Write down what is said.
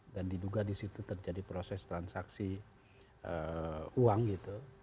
dan diduga disitu terjadi proses transaksi uang gitu